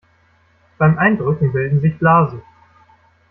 Beim Eindrücken bilden sich Blasen.